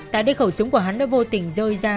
tại đây khẩu súng của hắn đã vô tình rơi ra